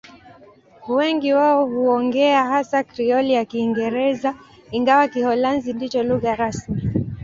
Wengi wao huongea hasa Krioli ya Kiingereza, ingawa Kiholanzi ndicho lugha rasmi.